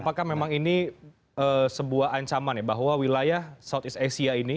apakah memang ini sebuah ancaman ya bahwa wilayah southeast asia ini